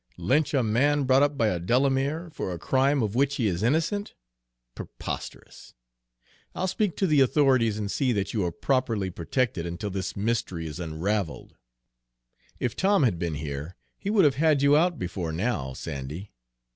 Lynch a man brought up by a Delamere, for a crime of which he is innocent? Preposterous! I'll speak to the authorities and see that you are properly protected until this mystery is unraveled. If Tom had been here, he would have had you out before now, Sandy.